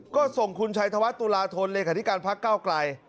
ก็ส่งคุณชัยธวัฒนตุลาธนเลขาธิการพักเก้าไกล